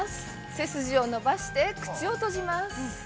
背筋を伸ばして口を閉じます。